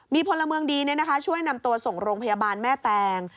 มีพลเมืองดีช่วยนำตัวส่งโรงพยาบาลแม่แตง